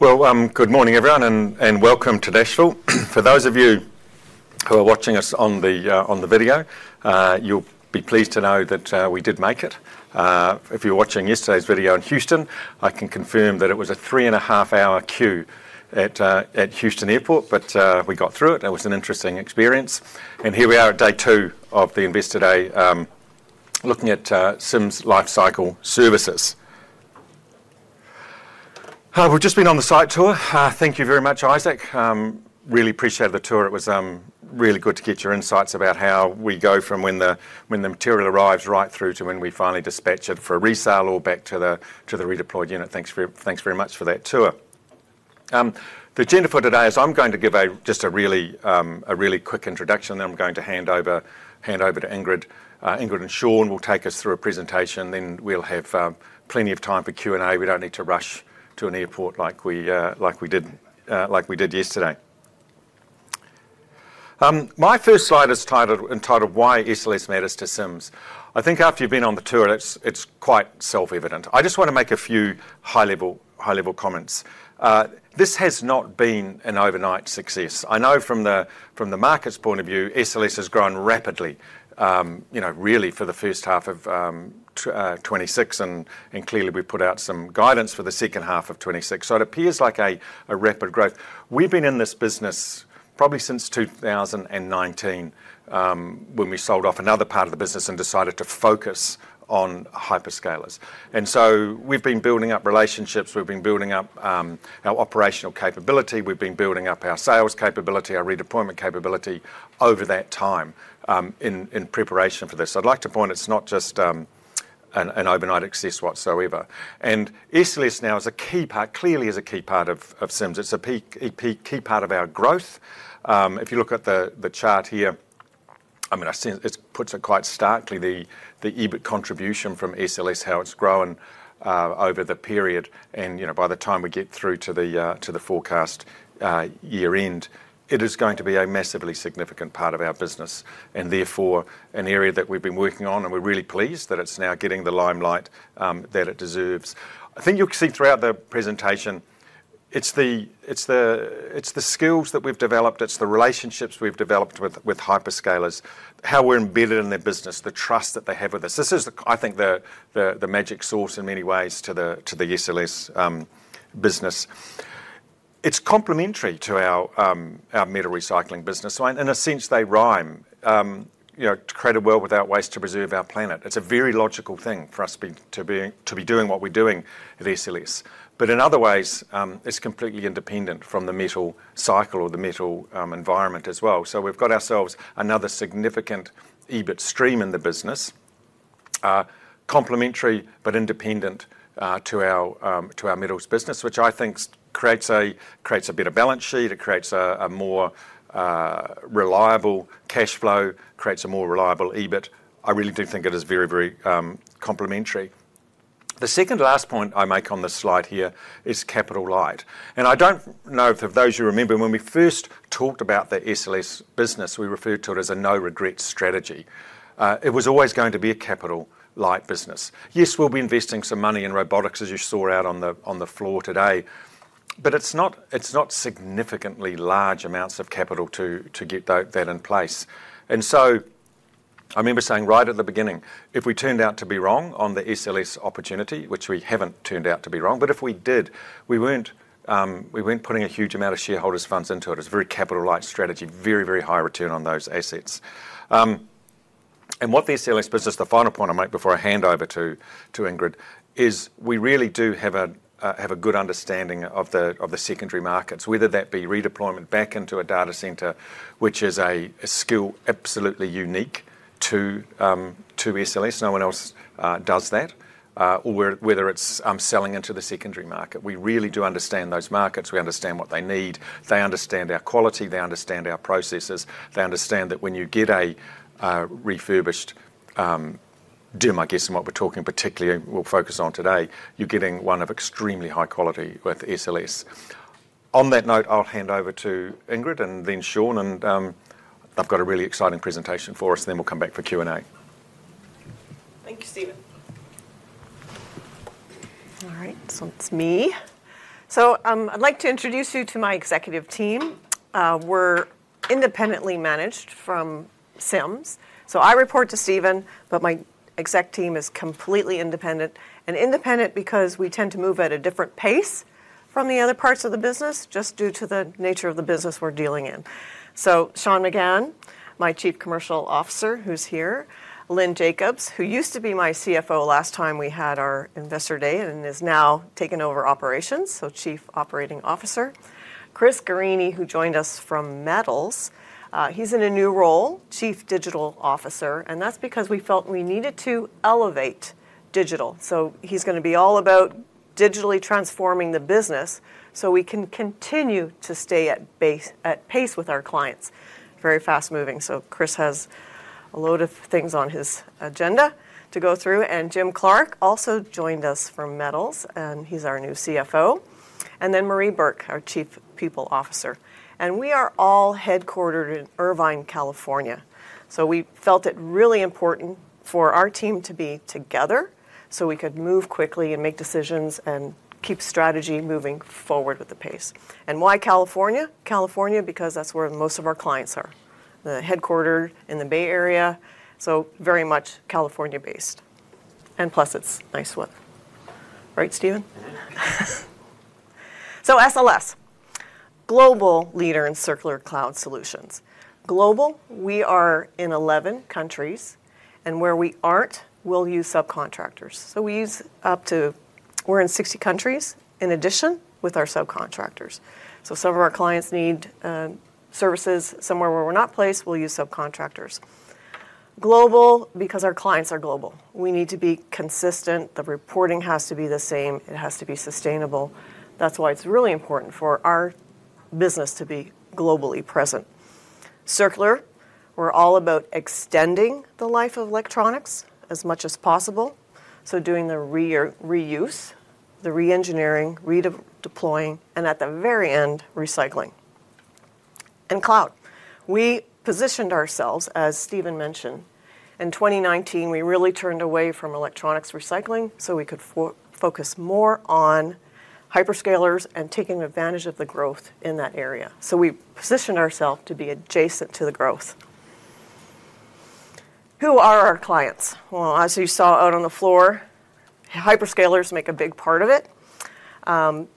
Well, good morning everyone, and welcome to Nashville. For those of you who are watching us on the video, you'll be pleased to know that we did make it. If you were watching yesterday's video in Houston, I can confirm that it was a three-and-a-half-hour queue at Houston Airport, but we got through it. That was an interesting experience. Here we are at day two of the Investor Day, looking at Sims Lifecycle Services. We've just been on the site tour. Thank you very much, Isaac. Really appreciated the tour. It was really good to get your insights about how we go from when the material arrives right through to when we finally dispatch it for resale or back to the redeployed unit. Thanks very much for that tour. The agenda for today is I'm going to give just a really quick introduction, then I'm going to hand over to Ingrid. Ingrid and Sean will take us through a presentation, then we'll have plenty of time for Q&A. We don't need to rush to an airport like we did yesterday. My first slide is entitled Why SLS Matters to Sims. I think after you've been on the tour, it's quite self-evident. I just want to make a few high-level comments. This has not been an overnight success. I know from the market's point of view, SLS has grown rapidly, you know, really for the first half of 2026 and clearly we've put out some guidance for the second half of 2026. So it appears like a rapid growth. We've been in this business probably since 2019, when we sold off another part of the business and decided to focus on hyperscalers. We've been building up relationships, we've been building up our operational capability, we've been building up our sales capability, our redeployment capability over that time, in preparation for this. I'd like to point out it's not just an overnight success whatsoever. SLS now is a key part, clearly is a key part of Sims. It's a key part of our growth. If you look at the chart here, I mean, I think it puts it quite starkly the EBIT contribution from SLS, how it's grown over the period and, you know, by the time we get through to the forecast year-end. It is going to be a massively significant part of our business and therefore an area that we've been working on, and we're really pleased that it's now getting the limelight that it deserves. I think you'll see throughout the presentation, it's the skills that we've developed, it's the relationships we've developed with hyperscalers, how we're embedded in their business, the trust that they have with us. This is the I think the magic sauce in many ways to the SLS business. It's complementary to our metal recycling business. In a sense, they rhyme. You know, to create a world without waste, to preserve our planet. It's a very logical thing for us to be doing what we're doing with SLS. In other ways, it's completely independent from the metal cycle or the metal environment as well. We've got ourselves another significant EBIT stream in the business, complementary but independent, to our metals business, which I think creates a better balance sheet, it creates a more reliable cash flow, creates a more reliable EBIT. I really do think it is very complementary. The second last point I make on this slide here is capital light. I don't know if of those you remember, when we first talked about the SLS business, we referred to it as a no regrets strategy. It was always going to be a capital light business. Yes, we'll be investing some money in robotics, as you saw out on the floor today, but it's not significantly large amounts of capital to get that in place. I remember saying right at the beginning, if we turned out to be wrong on the SLS opportunity, which we haven't turned out to be wrong, but if we did, we weren't putting a huge amount of shareholders' funds into it. It's a very capital light strategy, very high return on those assets. What the SLS business, the final point I'll make before I hand over to Ingrid, is we really do have a good understanding of the secondary markets, whether that be redeployment back into a data center, which is a skill absolutely unique to SLS, no one else does that, or selling into the secondary market. We really do understand those markets. We understand what they need. They understand our quality. They understand our processes. They understand that when you get a refurbished DIMM, I guess, and what we're talking about particularly we'll focus on today, you're getting one of extremely high quality with SLS. On that note, I'll hand over to Ingrid and then Sean, and they've got a really exciting presentation for us, and then we'll come back for Q&A. Thank you, Steven. All right, it's me. I'd like to introduce you to my executive team. We're independently managed from Sims. I report to Steven, but my exec team is completely independent because we tend to move at a different pace from the other parts of the business, just due to the nature of the business we're dealing in. Sean Magann, my Chief Commercial Officer, who's here. Lynn Jacobs, who used to be my CFO last time we had our Investor Day and has now taken over operations, Chief Operating Officer. Chris Guerrini, who joined us from Metals. He's in a new role, Chief Digital Officer, and that's because we felt we needed to elevate digital. He's gonna be all about digitally transforming the business, so we can continue to stay abreast at pace with our clients. Very fast-moving. Chris has a load of things on his agenda to go through. Jim Clarke also joined us from Metals, and he's our new CFO. Marie Burke, our Chief People Officer. We are all headquartered in Irvine, California. We felt it really important for our team to be together, so we could move quickly and make decisions and keep strategy moving forward with the pace. Why California? California because that's where most of our clients are. Headquarters in the Bay Area, so very much California-based. Plus it's nice weather. Right, Stephen? SLS. Global leader in circular cloud solutions. Global, we are in 11 countries, and where we aren't, we'll use subcontractors. We're in 60 countries in addition with our subcontractors. If some of our clients need services somewhere where we're not placed, we'll use subcontractors. Global, because our clients are global. We need to be consistent. The reporting has to be the same. It has to be sustainable. That's why it's really important for our business to be globally present. Circular, we're all about extending the life of electronics as much as possible, so doing the reuse, the re-engineering, redeploying, and at the very end, recycling. Cloud. We positioned ourselves, as Stephen mentioned. In 2019, we really turned away from electronics recycling, so we could focus more on hyperscalers and taking advantage of the growth in that area. We positioned ourselves to be adjacent to the growth. Who are our clients? Well, as you saw out on the floor, hyperscalers make a big part of it.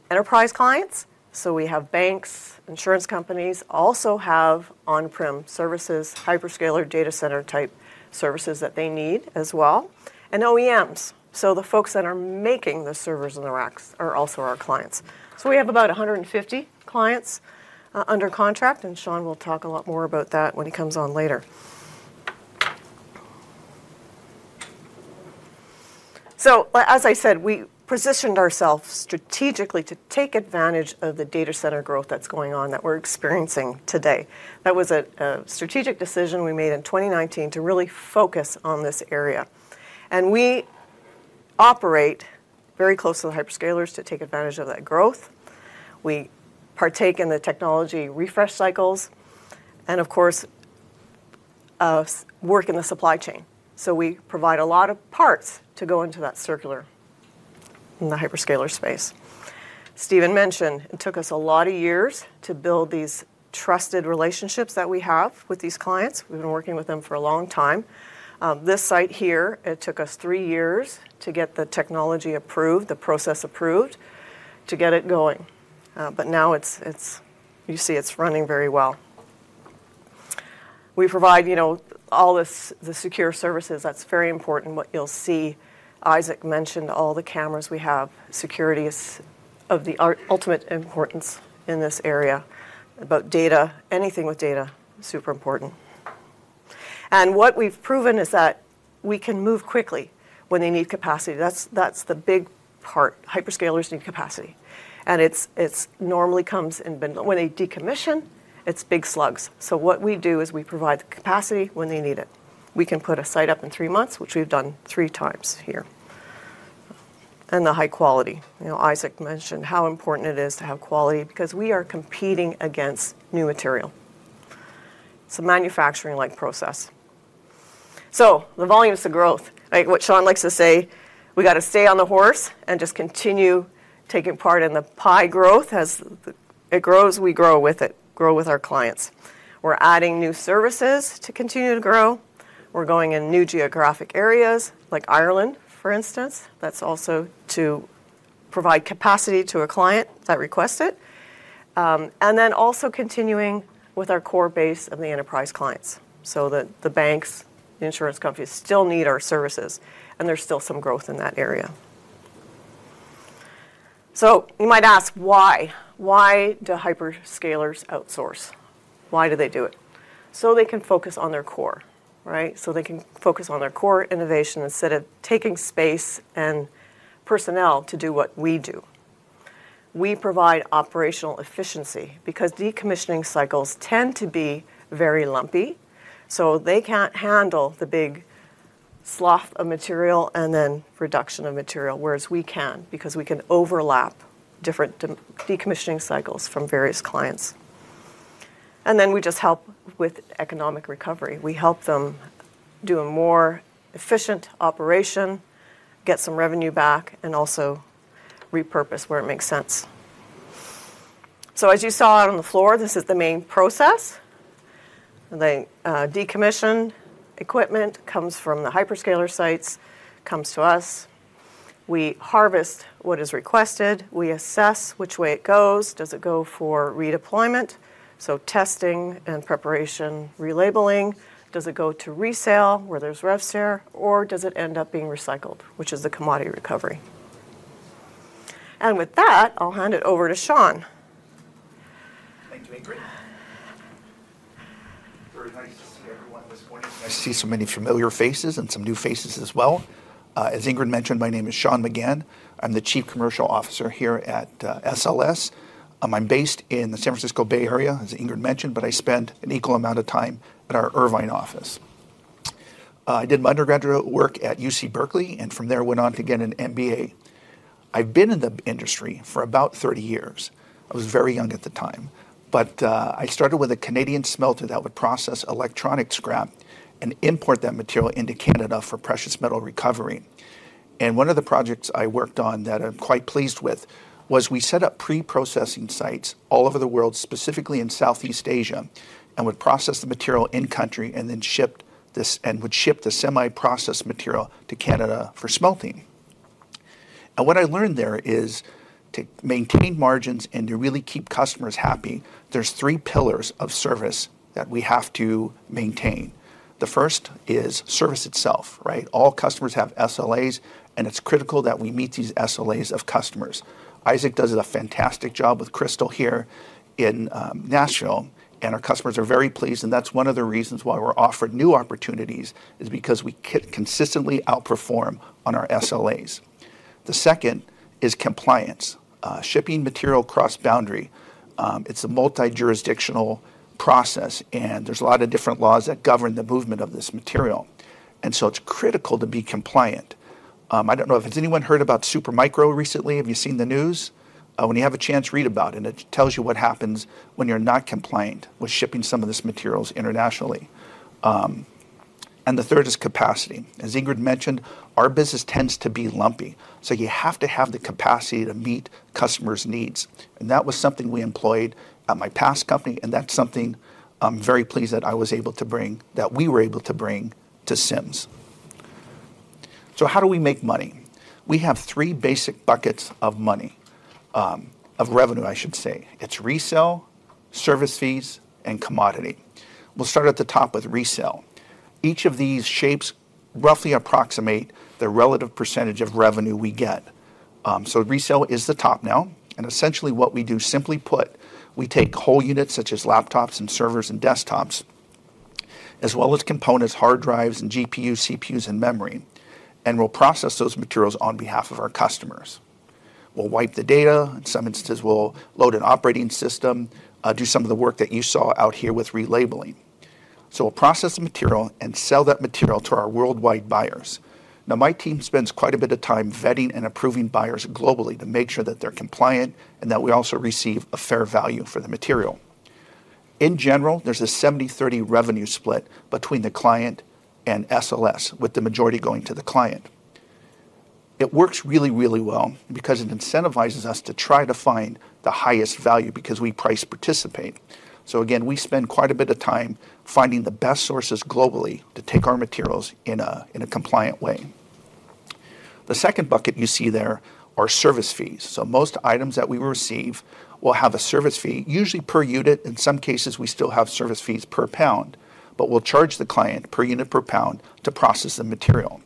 Enterprise clients, we have banks, insurance companies, also have on-prem services, hyperscaler data center type services that they need as well, and OEMs. The folks that are making the servers and the racks are also our clients. We have about 150 clients under contract, and Sean will talk a lot more about that when he comes on later. As I said, we positioned ourselves strategically to take advantage of the data center growth that's going on that we're experiencing today. That was a strategic decision we made in 2019 to really focus on this area. We operate very close to the hyperscalers to take advantage of that growth. We partake in the technology refresh cycles and of course, work in the supply chain. We provide a lot of parts to go into that circular in the hyperscaler space. Stephen mentioned, it took us a lot of years to build these trusted relationships that we have with these clients. We've been working with them for a long time. This site here, it took us three years to get the technology approved, the process approved to get it going. Now it's you see it's running very well. We provide the secure services. That's very important. What you'll see, Isaac mentioned all the cameras we have. Security is of the ultimate importance in this area about data. Anything with data, super important. What we've proven is that we can move quickly when they need capacity. That's the big part. Hyperscalers need capacity. It's normally comes in bins when they decommission, it's big slugs. What we do is we provide the capacity when they need it. We can put a site up in three months, which we've done three times here, and the high quality. You know, Isaac mentioned how important it is to have quality because we are competing against new material. It's a manufacturing-like process. The volume is the growth. Like what Sean likes to say, we gotta stay on the horse and just continue taking part in the pie growth. As it grows, we grow with it, grow with our clients. We're adding new services to continue to grow. We're going in new geographic areas like Ireland, for instance. That's also to provide capacity to a client that request it. Also continuing with our core base of the enterprise clients so that the banks, the insurance companies still need our services, and there's still some growth in that area. You might ask why. Why do hyperscalers outsource? Why do they do it? They can focus on their core, right? They can focus on their core innovation instead of taking space and personnel to do what we do. We provide operational efficiency because decommissioning cycles tend to be very lumpy, so they can't handle the big slew of material and then reduction of material, whereas we can because we can overlap different decommissioning cycles from various clients. We just help with economic recovery. We help them do a more efficient operation, get some revenue back, and also repurpose where it makes sense. As you saw out on the floor, this is the main process. The decommissioned equipment comes from the hyperscaler sites, comes to us. We harvest what is requested. We assess which way it goes. Does it go for redeployment? Testing and preparation, relabeling. Does it go to resale where there's rev share, or does it end up being recycled, which is the commodity recovery. With that, I'll hand it over to Sean. Thank you, Ingrid. Very nice to see everyone this morning. I see so many familiar faces and some new faces as well. As Ingrid mentioned, my name is Sean Magann. I'm the Chief Commercial Officer here at SLS. I'm based in the San Francisco Bay Area, as Ingrid mentioned, but I spend an equal amount of time at our Irvine office. I did my undergraduate work at UC Berkeley, and from there went on to get an MBA. I've been in the industry for about 30 years. I was very young at the time. I started with a Canadian smelter that would process electronic scrap and import that material into Canada for precious metal recovery. One of the projects I worked on that I'm quite pleased with was we set up pre-processing sites all over the world, specifically in Southeast Asia, and would process the material in country and then ship the semi-processed material to Canada for smelting. What I learned there is to maintain margins and to really keep customers happy, there's three pillars of service that we have to maintain. The first is service itself, right? All customers have SLAs, and it's critical that we meet these SLAs of customers. Isaac does a fantastic job with Crystal here in Nashville, and our customers are very pleased, and that's one of the reasons why we're offered new opportunities, is because we consistently outperform on our SLAs. The second is compliance. Shipping material cross-boundary, it's a multi-jurisdictional process, and there's a lot of different laws that govern the movement of this material, and so it's critical to be compliant. I don't know if... Has anyone heard about Supermicro recently? Have you seen the news? When you have a chance, read about it. It tells you what happens when you're not compliant with shipping some of these materials internationally. The third is capacity. As Ingrid mentioned, our business tends to be lumpy, so you have to have the capacity to meet customers' needs. That was something we employed at my past company, and that's something I'm very pleased that we were able to bring to Sims. How do we make money? We have three basic buckets of money, of revenue, I should say. It's resell, service fees, and commodity. We'll start at the top with resell. Each of these shapes roughly approximate the relative percentage of revenue we get. Resell is the top now. Essentially what we do, simply put, we take whole units such as laptops and servers and desktops, as well as components, hard drives and GPUs, CPUs and memory, and we'll process those materials on behalf of our customers. We'll wipe the data. In some instances, we'll load an operating system, do some of the work that you saw out here with relabeling. We'll process the material and sell that material to our worldwide buyers. Now, my team spends quite a bit of time vetting and approving buyers globally to make sure that they're compliant and that we also receive a fair value for the material. In general, there's a 70/30 revenue split between the client and SLS, with the majority going to the client. It works really, really well because it incentivizes us to try to find the highest value because we price participate. Again, we spend quite a bit of time finding the best sources globally to take our materials in a compliant way. The second bucket you see there are service fees. Most items that we receive will have a service fee, usually per unit. In some cases, we still have service fees per pound. We'll charge the client per unit per pound to process the material.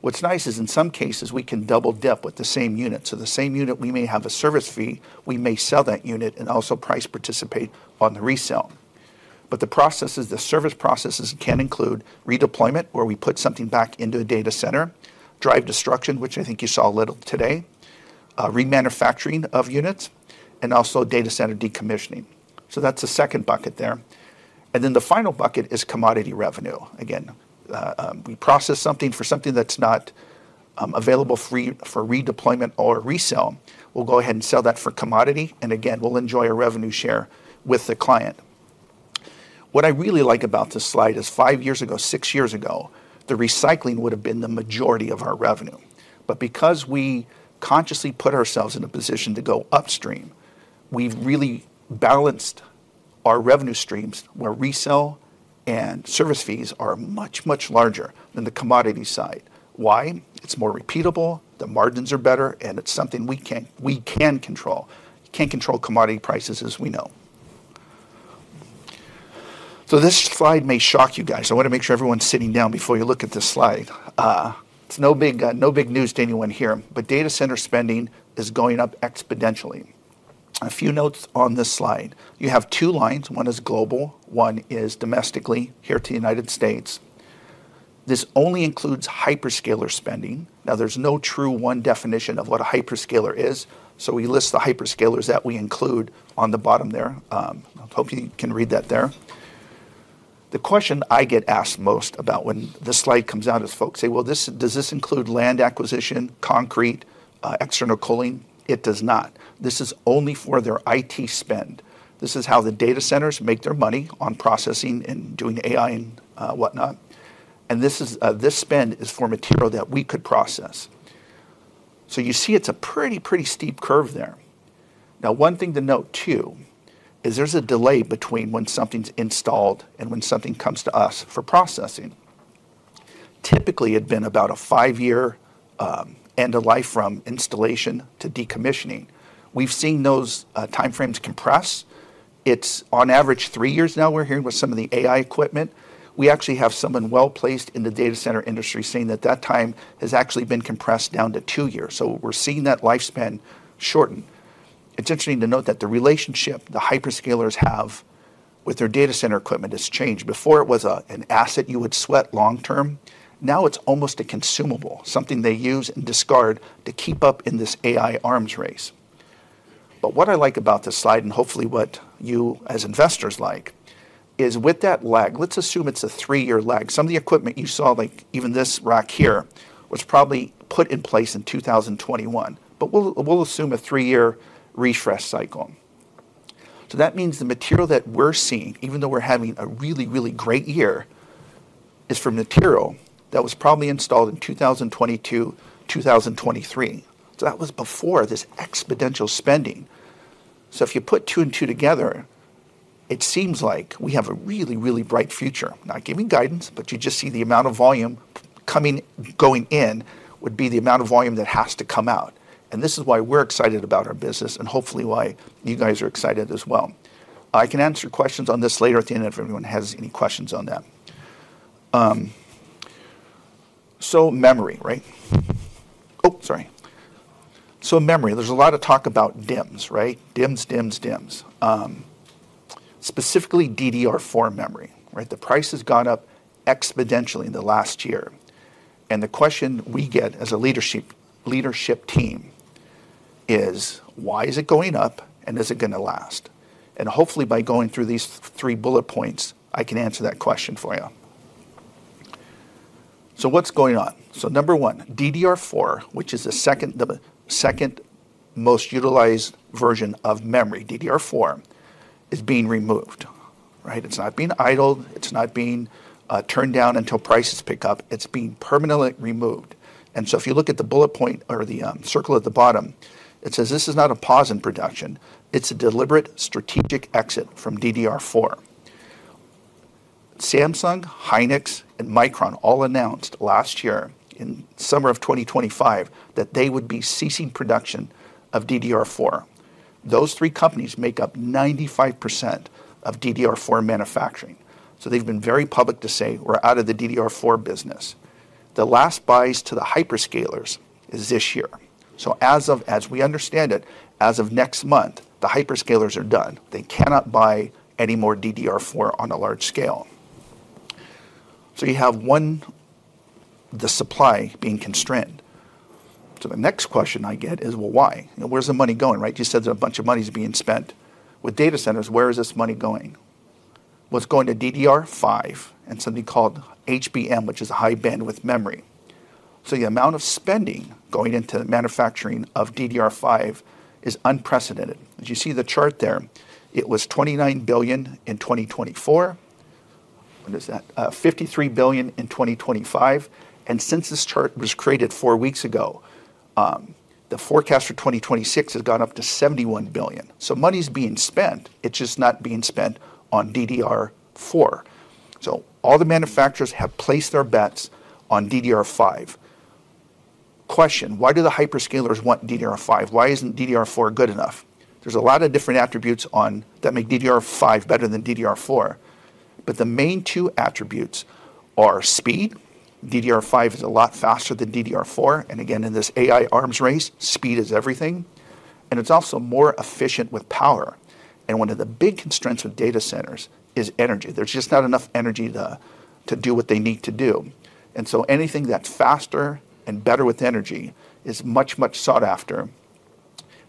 What's nice is in some cases, we can double-dip with the same unit. The same unit, we may have a service fee, we may sell that unit and also price participate on the resell. The processes, the service processes can include redeployment, where we put something back into a data center, drive destruction, which I think you saw a little today, remanufacturing of units, and also data center decommissioning. That's the second bucket there. The final bucket is commodity revenue. We process something for something that's not available for redeployment or resell. We'll go ahead and sell that for commodity, and we'll enjoy a revenue share with the client. What I really like about this slide is five years ago, six years ago, the recycling would have been the majority of our revenue. Because we consciously put ourselves in a position to go upstream, we've really balanced our revenue streams where resell and service fees are much, much larger than the commodity side. Why? It's more repeatable, the margins are better, and it's something we can control. You can't control commodity prices as we know. This slide may shock you guys, so I want to make sure everyone's sitting down before you look at this slide. It's no big news to anyone here, but data center spending is going up exponentially. A few notes on this slide. You have two lines. One is global, one is domestic here in the United States. This only includes hyperscaler spending. Now, there's no one true definition of what a hyperscaler is, so we list the hyperscalers that we include on the bottom there. I hope you can read that there. The question I get asked most about when this slide comes out is folks say, "Well, does this include land acquisition, concrete, external cooling?" It does not. This is only for their IT spend. This is how the data centers make their money on processing and doing AI and whatnot. This spend is for material that we could process. You see it's a pretty steep curve there. Now, one thing to note, too, is there's a delay between when something's installed and when something comes to us for processing. Typically, it'd been about a five year end of life from installation to decommissioning. We've seen those time frames compress. It's on average three years now we're hearing with some of the AI equipment. We actually have someone well-placed in the data center industry saying that time has actually been compressed down to two years. We're seeing that lifespan shorten. It's interesting to note that the relationship the hyperscalers have with their data center equipment has changed. Before, it was an asset you would sweat long term. Now it's almost a consumable, something they use and discard to keep up in this AI arms race. What I like about this slide, and hopefully what you as investors like, is with that lag, let's assume it's a three year lag. Some of the equipment you saw, like even this rack here, was probably put in place in 2021. We'll assume a three year refresh cycle. That means the material that we're seeing, even though we're having a really, really great year, is from material that was probably installed in 2022, 2023. That was before this exponential spending. If you put two and two together, it seems like we have a really, really bright future. Not giving guidance, but you just see the amount of volume going in would be the amount of volume that has to come out. This is why we're excited about our business and hopefully why you guys are excited as well. I can answer questions on this later at the end if everyone has any questions on that. Memory, right? Memory, there's a lot of talk about DIMMs, right? DIMMs. Specifically DDR4 memory, right? The price has gone up exponentially in the last year. The question we get as a leadership team is why is it going up and is it going to last? Hopefully, by going through these three bullet points, I can answer that question for you. What's going on? Number one, DDR4, which is the second most utilized version of memory, is being removed, right? It's not being idled. It's not being turned down until prices pick up. It's being permanently removed. If you look at the bullet point or the circle at the bottom, it says this is not a pause in production. It's a deliberate strategic exit from DDR4. Samsung, SK hynix, and Micron all announced last year in summer of 2025 that they would be ceasing production of DDR4. Those three companies make up 95% of DDR4 manufacturing. They've been very public to say, "We're out of the DDR4 business." The last buys to the hyperscalers is this year. As we understand it, as of next month, the hyperscalers are done. They cannot buy any more DDR4 on a large scale. You have one, the supply being constrained. The next question I get is, "Well, why? Where's the money going?" Right? You said a bunch of money is being spent with data centers. Where is this money going? Well, it's going to DDR5 and something called HBM, which is high bandwidth memory. The amount of spending going into manufacturing of DDR5 is unprecedented. As you see the chart there, it was 29 billion in 2024. What is that? 53 billion in 2025. Since this chart was created four weeks ago, the forecast for 2026 has gone up to 71 billion. Money is being spent. It's just not being spent on DDR4. All the manufacturers have placed their bets on DDR5. Question, why do the hyperscalers want DDR5? Why isn't DDR4 good enough? There's a lot of different attributes that make DDR5 better than DDR4. The main two attributes are speed. DDR5 is a lot faster than DDR4. Again, in this AI arms race, speed is everything, and it's also more efficient with power. One of the big constraints with data centers is energy. There's just not enough energy to do what they need to do. Anything that's faster and better with energy is much, much sought after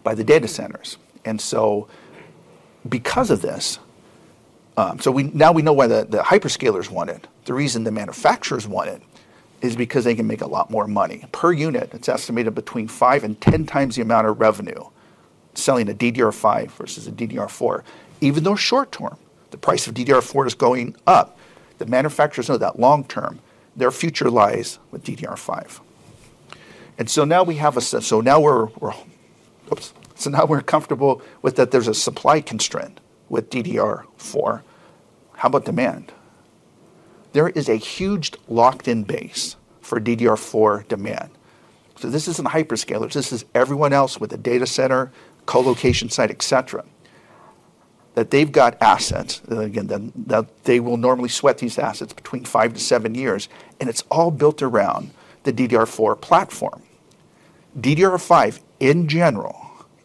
by the data centers. Because of this, now we know why the hyperscalers want it. The reason the manufacturers want it is because they can make a lot more money. Per unit, it's estimated between five and 10 times the amount of revenue selling a DDR5 versus a DDR4. Even though short-term, the price of DDR4 is going up, the manufacturers know that long-term, their future lies with DDR5. Now we're comfortable with that there's a supply constraint with DDR4. How about demand? There is a huge locked-in base for DDR4 demand. This isn't hyperscalers. This is everyone else with a data center, co-location site, et cetera, that they've got assets. Again, that they will normally sweat these assets between five to seven years, and it's all built around the DDR4 platform. DDR5, in general,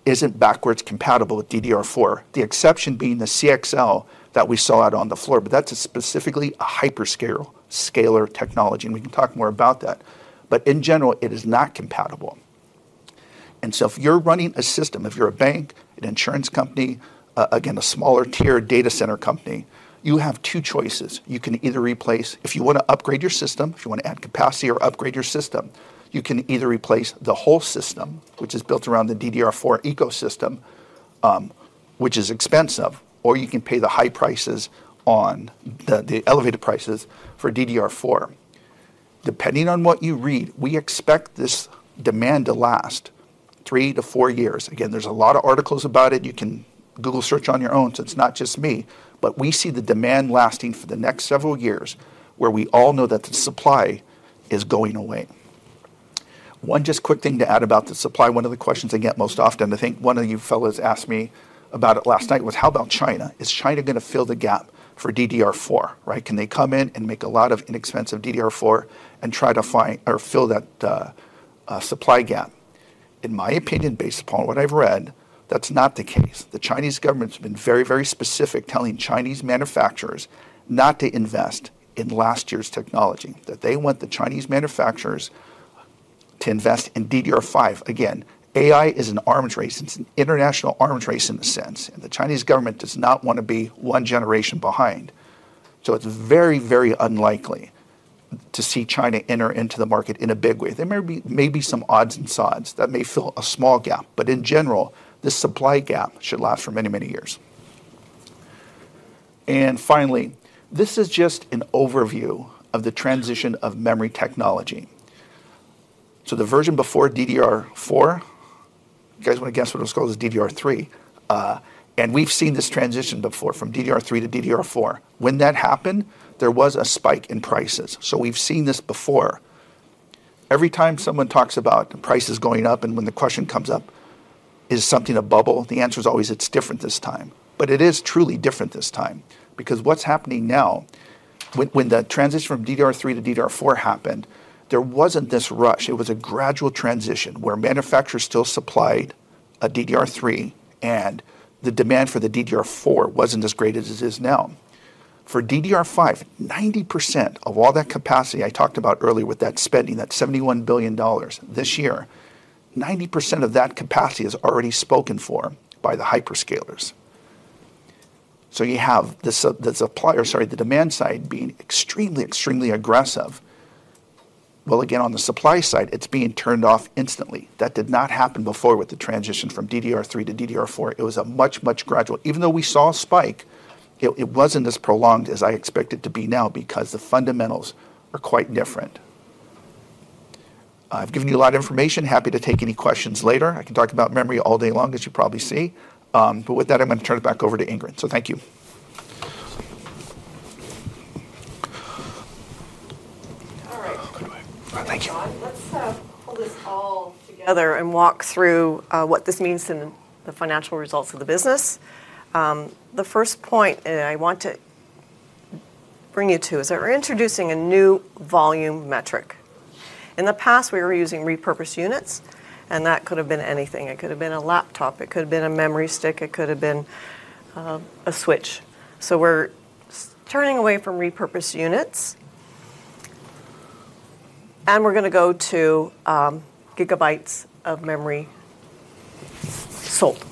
isn't backwards compatible with DDR4. The exception being the CXL that we saw out on the floor, but that's specifically a hyperscaler technology, and we can talk more about that. In general, it is not compatible. If you're running a system, if you're a bank, an insurance company, a smaller tier data center company, you have two choices. You can either replace, if you want to upgrade your system, if you want to add capacity or upgrade your system, the whole system, which is built around the DDR4 ecosystem, which is expensive, or you can pay the high prices on the elevated prices for DDR4. Depending on what you read, we expect this demand to last three to four years. Again, there's a lot of articles about it. You can Google search on your own, so it's not just me. We see the demand lasting for the next several years where we all know that the supply is going away. One just quick thing to add about the supply, one of the questions I get most often, I think one of you fellows asked me about it last night, was how about China? Is China going to fill the gap for DDR4, right? Can they come in and make a lot of inexpensive DDR4 and try to find or fill that supply gap? In my opinion, based upon what I've read, that's not the case. The Chinese government's been very, very specific telling Chinese manufacturers not to invest in last year's technology, that they want the Chinese manufacturers to invest in DDR5. Again, AI is an arms race. It's an international arms race in a sense, and the Chinese government does not want to be one generation behind. So it's very, very unlikely to see China enter into the market in a big way. There may be some odds and sods that may fill a small gap, but in general, this supply gap should last for many, many years. Finally, this is just an overview of the transition of memory technology. The version before DDR4, you guys wanna guess what it was called? It was DDR3. We've seen this transition before from DDR3 to DDR4. When that happened, there was a spike in prices. We've seen this before. Every time someone talks about prices going up and when the question comes up, is something a bubble? The answer is always it's different this time. It is truly different this time because what's happening now, when the transition from DDR3 to DDR4 happened, there wasn't this rush. It was a gradual transition where manufacturers still supplied a DDR3, and the demand for the DDR4 wasn't as great as it is now. For DDR5, 90% of all that capacity I talked about earlier with that spending, that 71 billion dollars this year, 90% of that capacity is already spoken for by the hyperscalers. So you have the demand side being extremely aggressive. While again, on the supply side, it's being turned off instantly. That did not happen before with the transition from DDR3 to DDR4. It was a much gradual. Even though we saw a spike, it wasn't as prolonged as I expect it to be now because the fundamentals are quite different. I've given you a lot of information. Happy to take any questions later. I can talk about memory all day long, as you probably see. With that, I'm gonna turn it back over to Ingrid. Thank you. All right. Let's pull this all together and walk through what this means in the financial results of the business. The first point that I want to bring you to is that we're introducing a new volume metric. In the past, we were using repurposed units, and that could have been anything. It could have been a laptop, it could have been a memory stick, it could have been a switch. We're turning away from repurposed units, and we're gonna go to gigabytes of memory sold.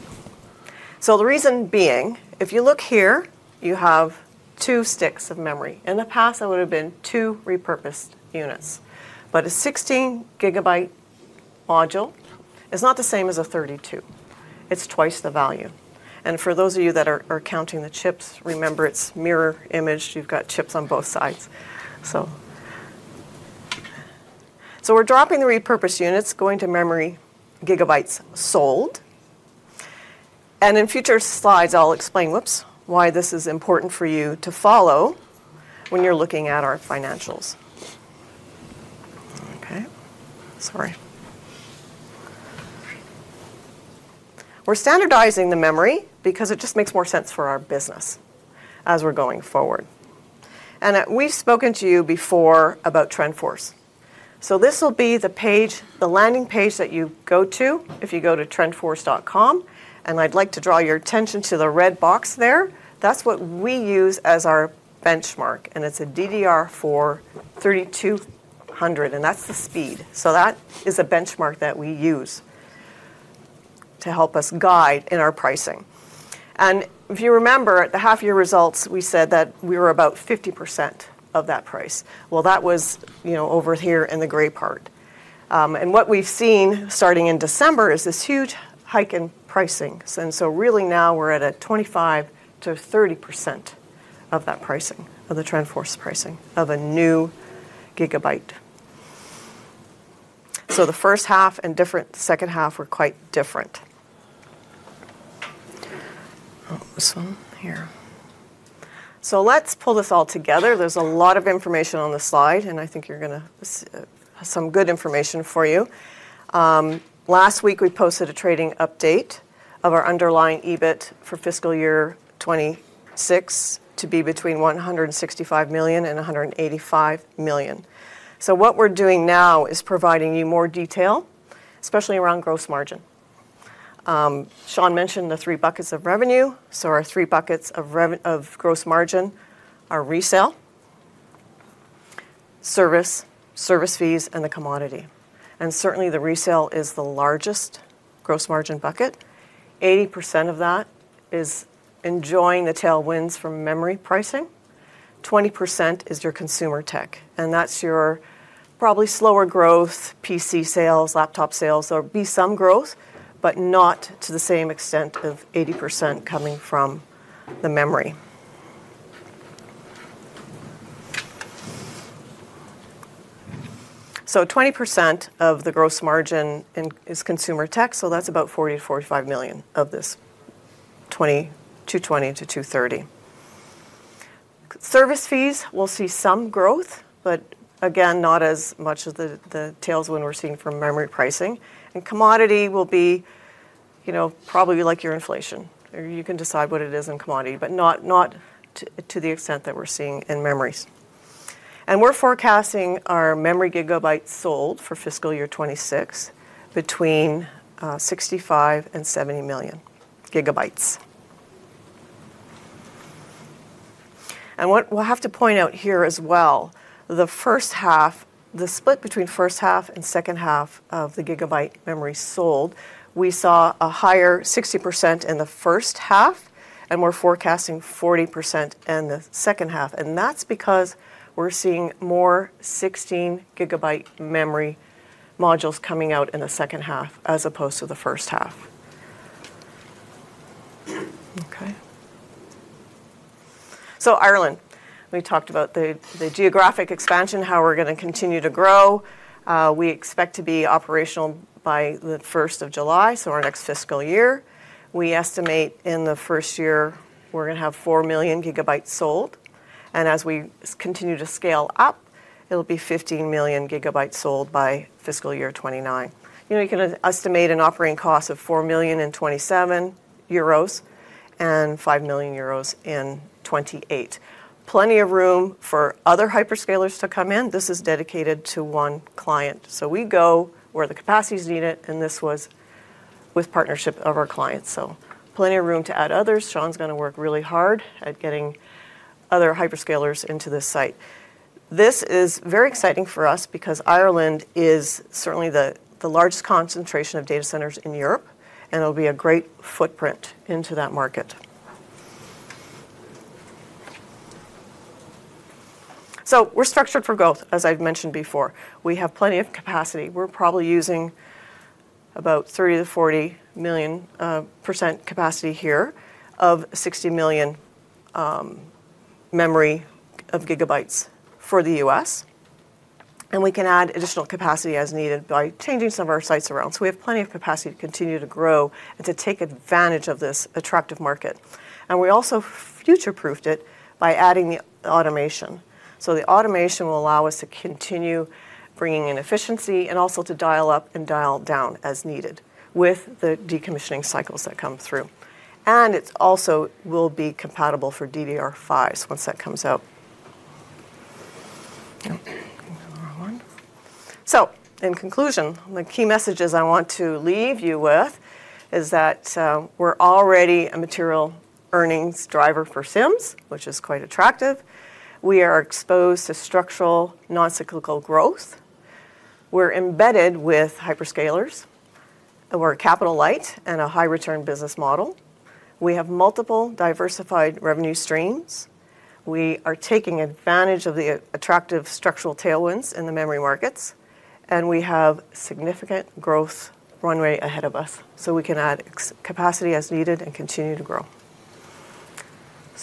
The reason being, if you look here, you have two sticks of memory. In the past, that would have been two repurposed units. But a 16 GB module is not the same as a 32 GB. It's twice the value. For those of you that are counting the chips, remember, it's mirror image. You've got chips on both sides. We're dropping the repurposed units, going to memory gigabytes sold. In future slides, I'll explain, whoops, why this is important for you to follow when you're looking at our financials. Okay. Sorry. We're standardizing the memory because it just makes more sense for our business as we're going forward. We've spoken to you before about TrendForce. This will be the page, the landing page that you go to if you go to trendforce.com. I'd like to draw your attention to the red box there. That's what we use as our benchmark, and it's a DDR4-3200, and that's the speed. That is a benchmark that we use to help us guide in our pricing. If you remember, at the half-year results, we said that we were about 50% of that price. Well, that was, you know, over here in the gray part. What we've seen starting in December is this huge hike in pricing. Really now we're at 25%-30% of that pricing, of the TrendForce pricing of a new gigabyte. The first half and second half were quite different. This one here. Let's pull this all together. There's a lot of information on this slide, and I think you're gonna see some good information for you. Last week, we posted a trading update of our underlying EBIT for fiscal year 2026 to be between 165 million and 185 million. What we're doing now is providing you more detail, especially around gross margin. Sean mentioned the three buckets of revenue. Our three buckets of gross margin are resale, service fees, and the commodity. Certainly, the resale is the largest gross margin bucket. 80% of that is enjoying the tailwinds from memory pricing. 20% is your consumer tech, and that's your probably slower growth, PC sales, laptop sales. There'll be some growth, but not to the same extent of 80% coming from the memory. 20% of the gross margin is consumer tech, so that's about 40 million-45 million of this 220-230. Service fees will see some growth, but again, not as much as the tailwind we're seeing from memory pricing. Commodity will be, you know, probably like your inflation. You can decide what it is in commodity, but not to the extent that we're seeing in memory. We're forecasting our memory gigabytes sold for FY 2026 between 65 and 70 million GB. What we'll have to point out here as well, the first half, the split between first half and second half of the gigabyte memory sold, we saw a higher 60% in the first half, and we're forecasting 40% in the second half. That's because we're seeing more 16 GB memory modules coming out in the second half as opposed to the first half. Okay. Ireland, we talked about the geographic expansion, how we're gonna continue to grow. We expect to be operational by July 1st, so our next fiscal year. We estimate in the first year we're gonna have 4 million GB sold, and as we continue to scale up, it'll be 15 million GB sold by FY 2029. You know, you can estimate an operating cost of 4 million and 27 euros and 5 million euros in 2028. Plenty of room for other hyperscalers to come in. This is dedicated to one client. We go where the capacity is needed, and this was with partnership of our clients. Plenty of room to add others. Sean's gonna work really hard at getting other hyperscalers into this site. This is very exciting for us because Ireland is certainly the largest concentration of data centers in Europe, and it'll be a great footprint into that market. We're structured for growth, as I've mentioned before. We have plenty of capacity. We're probably using about 30%-40% capacity here of 60 million GB for the U.S., and we can add additional capacity as needed by changing some of our sites around. We have plenty of capacity to continue to grow and to take advantage of this attractive market. We also future-proofed it by adding the automation. The automation will allow us to continue bringing in efficiency and also to dial up and dial down as needed with the decommissioning cycles that come through. It also will be compatible for DDR5s once that comes out. In conclusion, the key messages I want to leave you with is that, we're already a material earnings driver for Sims, which is quite attractive. We are exposed to structural non-cyclical growth. We're embedded with hyperscalers, and we're a capital light and a high return business model. We have multiple diversified revenue streams. We are taking advantage of the attractive structural tailwinds in the memory markets, and we have significant growth runway ahead of us, so we can add extra capacity as needed and continue to grow.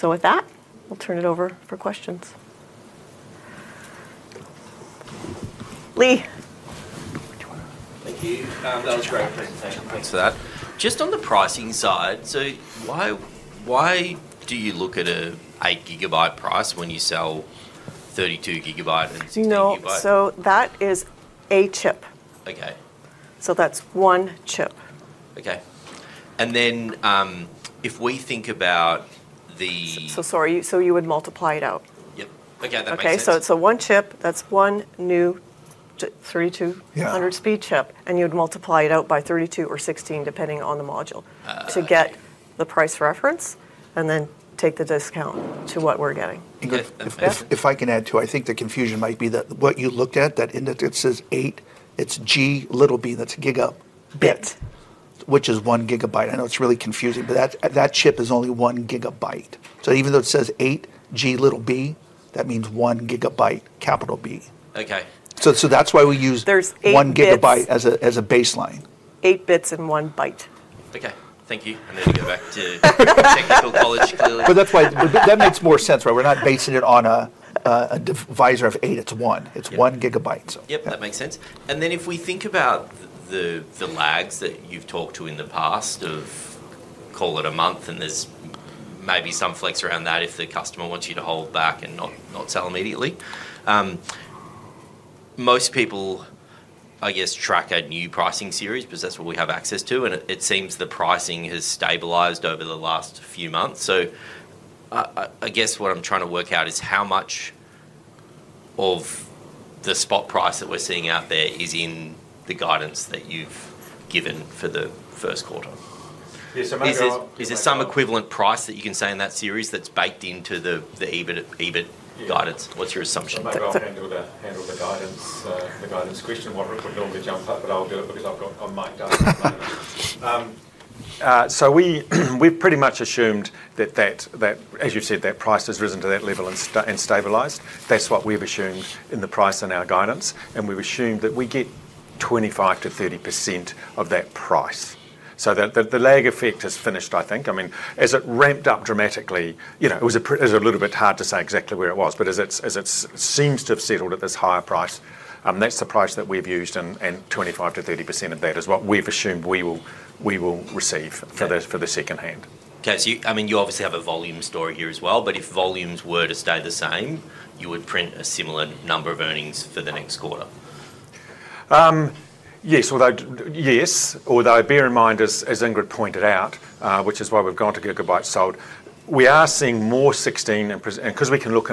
With that, I'll turn it over for questions. Lee. Thank you. That was a great presentation. Thanks for that. Just on the pricing side, why do you look at an 8 GB price when you sell 32 GB and 16 GB? No. That is a chip. So that's one chip. Okay. Sorry. You would multiply it out. Yep. Okay, that makes sense. Okay. It's a one chip, that's one new speed chip, and you'd multiply it out by 32 or 16, depending on the module to get the price reference and then take the discount to what we're getting. Ingrid, if I can add to. I think the confusion might be that what you looked at, that in that it says 8, it's G little b, that's gigabit, which is 1 Gb. I know it's really confusing, but that's that chip is only 1 GB. So even though it says 8 G little b, that means 1 GB capital B. Okay. That's why we use. There's 8 bits. 1 GB as a baseline. Eight bits in one byte. Okay. Thank you. I need to go back to technical college clearly. That makes more sense, right? We're not basing it on a divisor of eight. It's one. It's 1 GB. Yep. That makes sense. Then if we think about the lags that you've talked about in the past of call it a month, and there's maybe some flex around that if the customer wants you to hold back and not sell immediately. Most people, I guess, track a new pricing series because that's what we have access to, and it seems the pricing has stabilized over the last few months. I guess what I'm trying to work out is how much of the spot price that we're seeing out there is in the guidance that you've given for the first quarter. Is there some equivalent price that you can say in that series that's baked into the EBIT guidance? What's your assumption? I might go ahead and handle the guidance question. I won't let Norman jump up, but I'll do it because I've got. I'm miked up. We've pretty much assumed that as you've said that price has risen to that level and stabilized. That's what we've assumed in the price and our guidance, and we've assumed that we get 25%-30% of that price. The lag effect has finished, I think. I mean, as it ramped up dramatically, you know, it was a little bit hard to say exactly where it was. As it seems to have settled at this higher price, that's the price that we've used, and 25%-30% of that is what we've assumed we will receive for the second half. Okay. I mean, you obviously have a volume story here as well, but if volumes were to stay the same, you would print a similar number of earnings for the next quarter? Yes. Although bear in mind, as Ingrid pointed out, which is why we've gone to gigabytes sold, we are seeing more 16 GB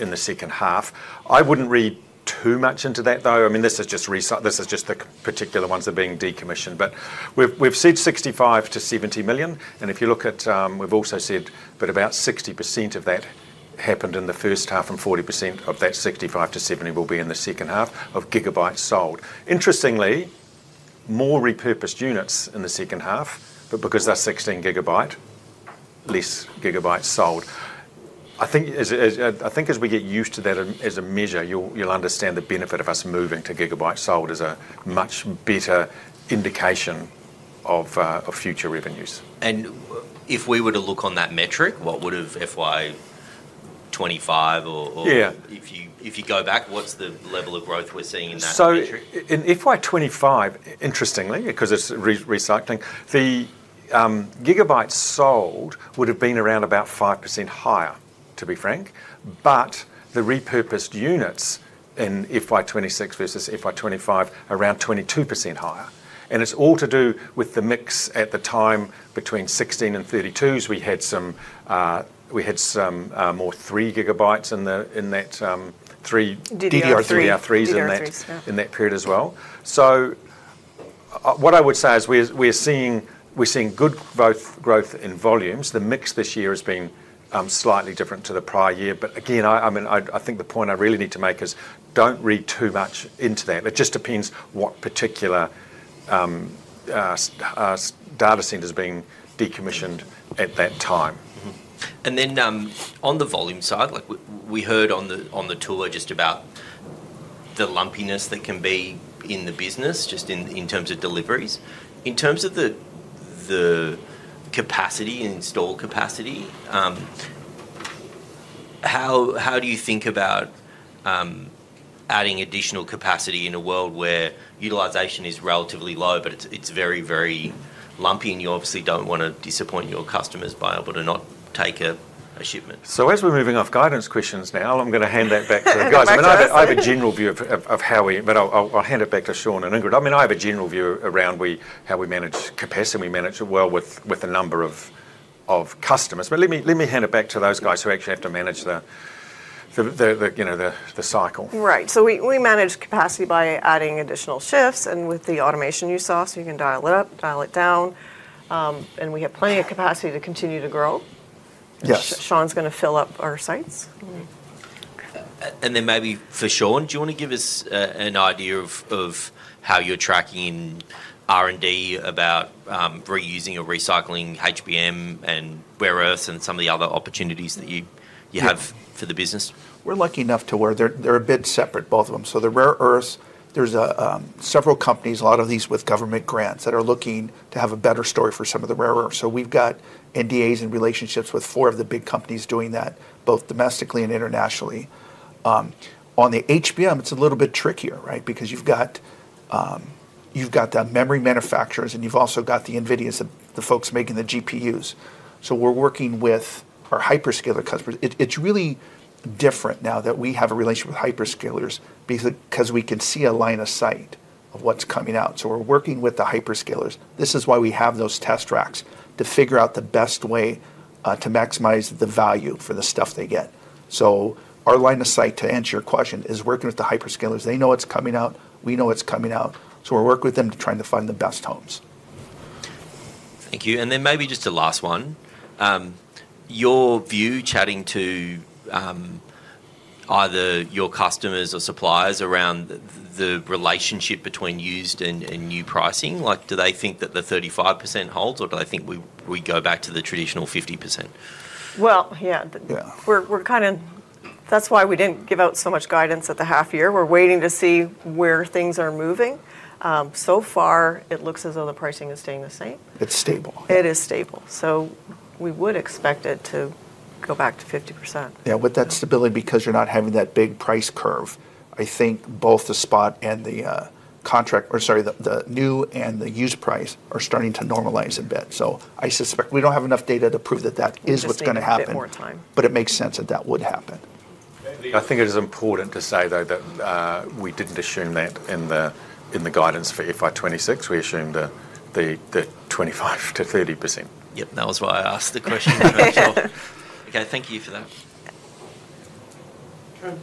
in the second half. I wouldn't read too much into that, though. I mean, this is just the particular ones that are being decommissioned. But we've said 65 to 70 million, and if you look at, we've also said that about 60% of that happened in the first half, and 40% of that 65-70 million will be in the second half of gigabytes sold. Interestingly, more repurposed units in the second half, but because they're 16 GB, gigabytes sold. I think as we get used to that as a measure, you'll understand the benefit of us moving to gigabytes sold as a much better indication of future revenues. If we were to look on that metric, what would've FY 2025 or if you go back, what's the level of growth we're seeing in that metric? In FY 2025, interestingly, because it's recycling, the gigabytes sold would've been around about 5% higher, to be frank. The repurposed units in FY 2026 versus FY 2025, around 22% higher. It's all to do with the mix at the time between 16 and 32s. We had some more 3 GB in that DDR3s in that period as well. DDR3. What I would say is we're seeing good growth in volumes. The mix this year has been slightly different to the prior year. Again, I mean, I think the point I really need to make is don't read too much into that. It just depends what particular data center's been decommissioned at that time. On the volume side, like we heard on the tour just about the lumpiness that can be in the business just in terms of deliveries. In terms of the capacity, installed capacity, how do you think about adding additional capacity in a world where utilization is relatively low but it's very lumpy, and you obviously don't wanna disappoint your customers by not being able to take a shipment? As we're moving off guidance questions now, I'm gonna hand that back to the guys. I'll hand it back to Sean and Ingrid. I mean, I have a general view around how we manage capacity, and we manage it well with a number of customers. Let me hand it back to those guys who actually have to manage the you know, the cycle. Right. We manage capacity by adding additional shifts and with the automation you saw, so you can dial it up, dial it down. We have plenty of capacity to continue to grow. Sean's gonna fill up our sites. Maybe for Sean, do you wanna give us an idea of how you're tracking R&D about reusing or recycling HBM and rare earths and some of the other opportunities that you have for the business? We're lucky enough to where they're a bit separate, both of them. The rare earths, there's several companies, a lot of these with government grants, that are looking to have a better story for some of the rare earths. We've got NDAs and relationships with four of the big companies doing that, both domestically and internationally. On the HBM, it's a little bit trickier, right? Because you've got the memory manufacturers, and you've also got the Nvidias, the folks making the GPUs. We're working with our hyperscaler customers. It's really different now that we have a relationship with hyperscalers because we can see a line of sight of what's coming out. We're working with the hyperscalers. This is why we have those test tracks to figure out the best way to maximize the value for the stuff they get. Our line of sight, to answer your question, is working with the hyperscalers. They know what's coming out, we know what's coming out, so we're working with them to trying to find the best homes. Thank you. Maybe just a last one. Your view chatting to either your customers or suppliers around the relationship between used and new pricing, like do they think that the 35% holds, or do they think we go back to the traditional 50%? Well, yeah. Yeah. That's why we didn't give out so much guidance at the half year. We're waiting to see where things are moving. So far it looks as though the pricing is staying the same. It's stable. It is stable. We would expect it to go back to 50%. Yeah. With that stability, because you're not having that big price curve, I think both the spot and the new and the used price are starting to normalize a bit. I suspect we don't have enough data to prove that is what's gonna happen. We just need a bit more time. It makes sense that that would happen. I think it is important to say, though, that we didn't assume that in the guidance for FY 2026. We assumed the 25%-30%. Yep. That was why I asked the question. Okay, thank you for that. Yeah. Ken,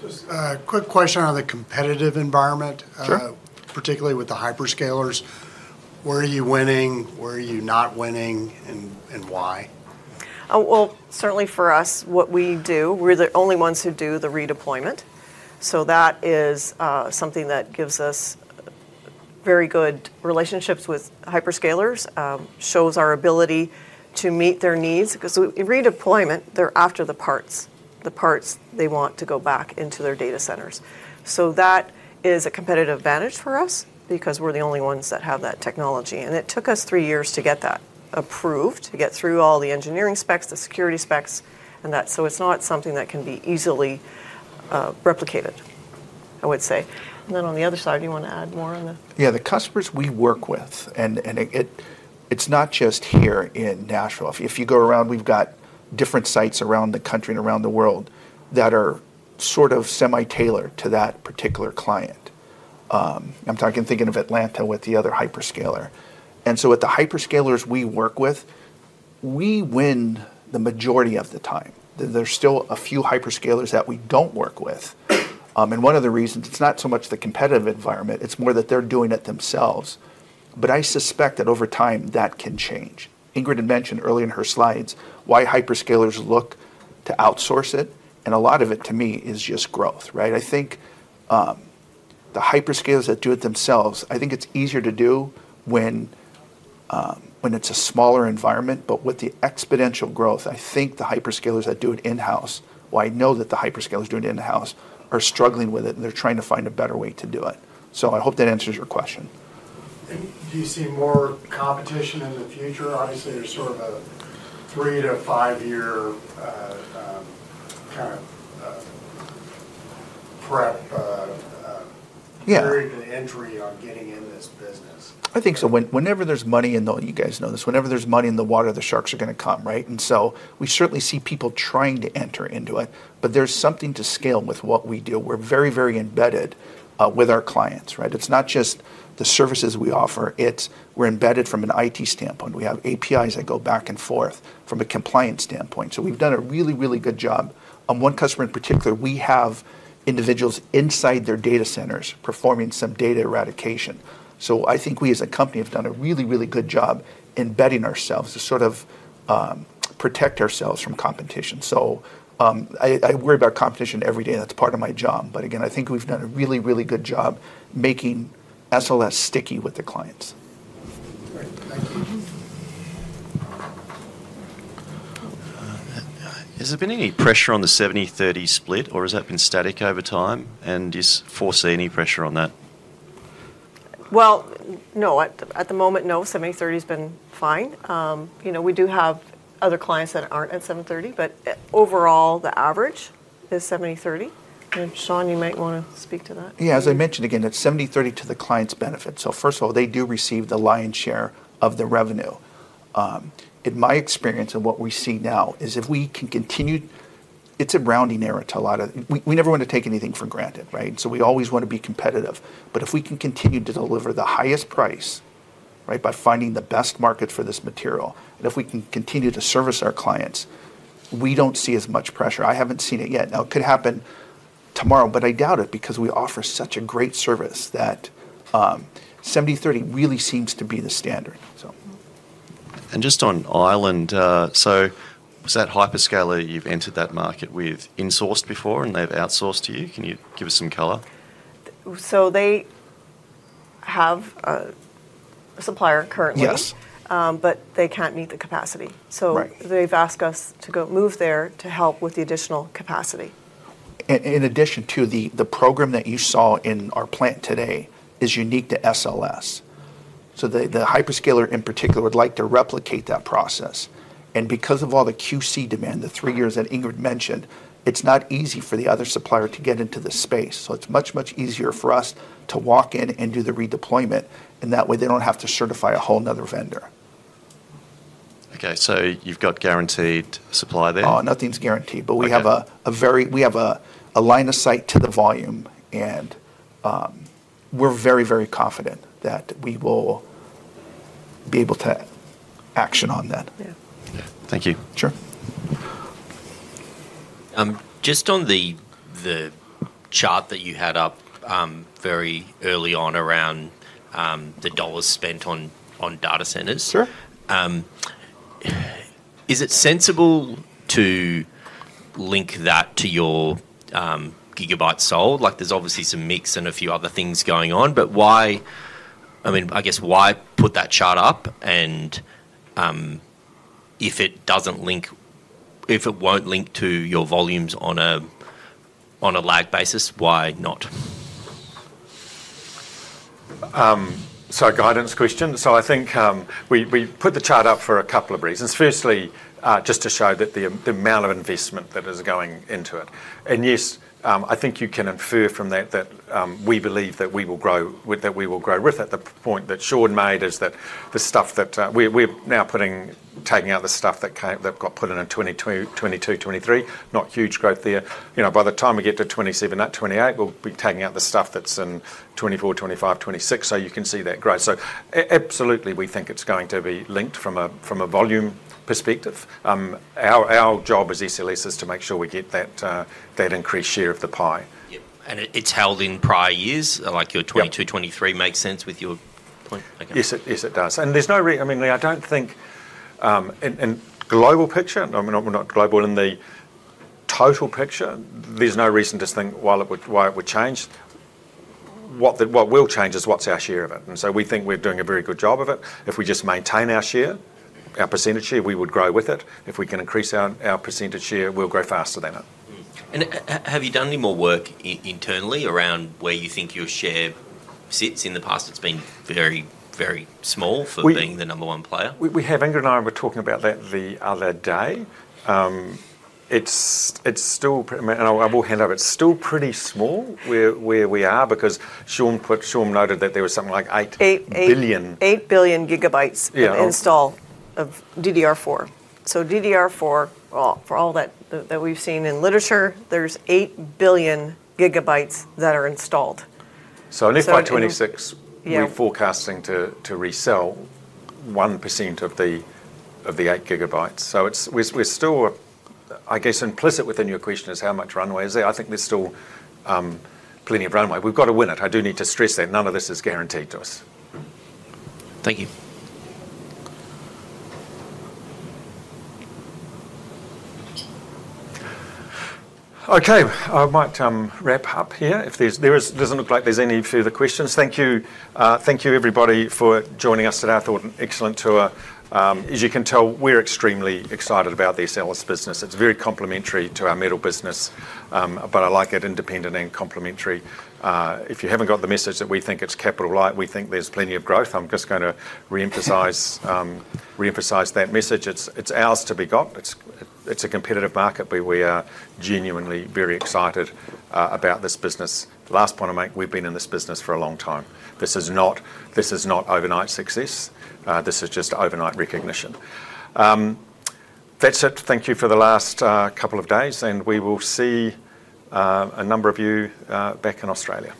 just a quick question on the competitive environment. Particularly with the hyperscalers. Where are you winning? Where are you not winning, and why? Well, certainly for us, what we do, we're the only ones who do the redeployment. So that is something that gives us very good relationships with hyperscalers, shows our ability to meet their needs. 'Cause in redeployment, they're after the parts they want to go back into their data centers. So that is a competitive advantage for us because we're the only ones that have that technology, and it took us three years to get that approved, to get through all the engineering specs, the security specs and that. So it's not something that can be easily replicated, I would say. And then on the other side, you wanna add more. Yeah. The customers we work with, it's not just here in Nashville. If you go around, we've got different sites around the country and around the world that are sort of semi-tailored to that particular client. I'm thinking of Atlanta with the other hyperscaler. With the hyperscalers we work with, we win the majority of the time. There's still a few hyperscalers that we don't work with. One of the reasons, it's not so much the competitive environment, it's more that they're doing it themselves. I suspect that over time that can change. Ingrid had mentioned early in her slides why hyperscalers look to outsource it, and a lot of it to me is just growth, right? I think the hyperscalers that do it themselves, it's easier to do when it's a smaller environment. with the exponential growth, I think the hyperscalers that do it in-house, or I know that the hyperscalers doing it in-house are struggling with it, and they're trying to find a better way to do it. I hope that answers your question. Do you see more competition in the future? Obviously, there's sort of a three to five year kind of prep barrier to entry on getting in this business. I think so. Whenever there's money in the water, the sharks are gonna come, right? You guys know this. We certainly see people trying to enter into it. There's something to scale with what we do. We're very, very embedded with our clients, right? It's not just the services we offer. It's we're embedded from an IT standpoint. We have APIs that go back and forth from a compliance standpoint. We've done a really, really good job. On one customer in particular, we have individuals inside their data centers performing some data eradication. I think we as a company have done a really, really good job embedding ourselves to sort of protect ourselves from competition. I worry about competition every day, and that's part of my job. Again, I think we've done a really, really good job making SLS sticky with the clients. Great. Thank you. Has there been any pressure on the 70/30 split, or has that been static over time? Do you foresee any pressure on that? Well, no. At the moment, no. 70/30's been fine. You know, we do have other clients that aren't at 70/30, but overall, the average is 70/30. Sean, you might wanna speak to that. Yeah. As I mentioned, again, it's 70/30 to the client's benefit. First of all, they do receive the lion's share of the revenue. In my experience and what we see now, we never wanna take anything for granted, right? We always wanna be competitive. If we can continue to deliver the highest price, right, by finding the best market for this material, and if we can continue to service our clients, we don't see as much pressure. I haven't seen it yet. Now, it could happen tomorrow, but I doubt it because we offer such a great service that 70/30 really seems to be the standard. Just on Ireland, so was that hyperscaler you've entered that market with insourced before and they've outsourced to you? Can you give us some color? They have a supplier currently but they can't meet the capacity. They've asked us to go move there to help with the additional capacity. In addition to the program that you saw in our plant today is unique to SLS. The hyperscaler in particular would like to replicate that process. Because of all the QC demand, the three years that Ingrid mentioned, it's not easy for the other supplier to get into the space. It's much easier for us to walk in and do the redeployment, and that way, they don't have to certify a whole another vendor. Okay. You've got guaranteed supply there? Oh, nothing's guaranteed. We have a line of sight to the volume, and we're very, very confident that we will be able to action on that. Thank you. Sure. Just on the chart that you had up very early on around the dollars spent on data centers. Is it sensible to link that to your gigabytes sold? Like, there's obviously some mix and a few other things going on, but why? I mean, I guess why put that chart up? If it won't link to your volumes on a lag basis, why not? Guidance question. I think we put the chart up for a couple of reasons. Firstly, just to show that the amount of investment that is going into it. Yes, I think you can infer from that we believe that we will grow with it. The point that Sean made is that the stuff that we're now taking out the stuff that got put in in 2022, 2023. Not huge growth there. You know, by the time we get to 2027, 2028, we'll be taking out the stuff that's in 2024, 2025, 2026. You can see that growth. Absolutely, we think it's going to be linked from a volume perspective. Our job as SLS is to make sure we get that increased share of the pie. Yep. It's held in prior years 2022, 2023 makes sense with your point? Yes, it does. I mean, I don't think in global picture, no, I mean, not global, in the total picture, there's no reason to think why it would change. What will change is what's our share of it. We think we're doing a very good job of it. If we just maintain our share, our percentage share, we would grow with it. If we can increase our percentage share, we'll grow faster than it. Have you done any more work internally around where you think your share sits? In the past, it's been very, very small for being the number one player. We have. Ingrid and I were talking about that the other day. I mean, and I will hand over. It's still pretty small where we are because Sean noted that there was something like 8 billion. 8 billion GB in install of DDR4. DDR4, for all that we've seen in literature, there's 8 billion GB that are installed. At least by 2026, we're forecasting to resell 1% of the 8 GB. It's. We're still. I guess implicit within your question is how much runway is there. I think there's still plenty of runway. We've got to win it. I do need to stress that none of this is guaranteed to us. Thank you. Okay. I might wrap up here. Doesn't look like there's any further questions. Thank you. Thank you everybody for joining us today for an excellent tour. As you can tell, we're extremely excited about the SLS business. It's very complementary to our metal business, but I like it independent and complementary. If you haven't got the message that we think it's capital light, we think there's plenty of growth, I'm just gonna reemphasize that message. It's ours to be got. It's a competitive market, but we are genuinely very excited about this business. The last point I'll make, we've been in this business for a long time. This is not overnight success. This is just overnight recognition. That's it. Thank you for the last couple of days, and we will see a number of you back in Australia.